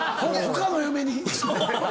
他の嫁に。